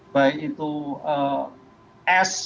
baik itu s